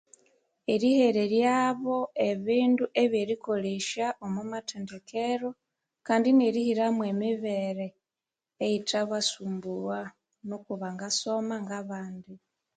Erihereryabo ebindu ebyerikolesya omwa mathendekero kandi nerihiramo emibere eyithabasumbugha nuko bangasoma ngabandi.